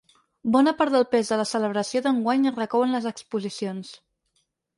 Bona part del pes de la celebració d’enguany recau en les exposicions.